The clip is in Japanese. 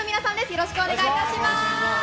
よろしくお願いします。